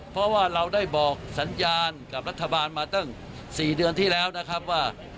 เพราะว่าเราได้บอกสัญญาณกับรัฐบาลมาตั้ง๔เดือนที่แล้วนะครับว่า